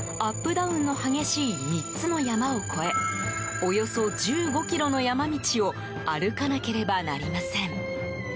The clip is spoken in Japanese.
ダウンの激しい３つの山を越えおよそ１５ｋｍの山道を歩かなければなりません。